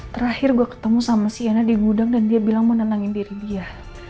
terakhir gue ketemu sama siana di gudang dan dia bilang mau nenangin diri dia